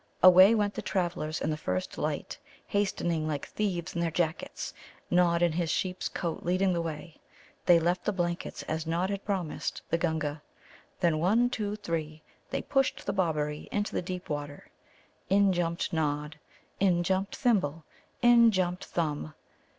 Away went the travellers in the first light, hastening like thieves in their jackets, Nod in his sheep's coat leading the way. They left the blankets as Nod had promised the Gunga. Then, one, two, three, they pushed the Bobberie into deep water. In jumped Nod, in jumped Thimble, in jumped Thumb.